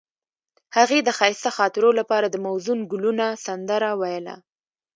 هغې د ښایسته خاطرو لپاره د موزون ګلونه سندره ویله.